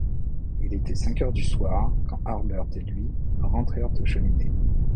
Il était cinq heures du soir, quand Harbert et lui rentrèrent aux Cheminées.